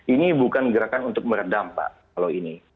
ini bukan gerakan untuk meredam pak kalau ini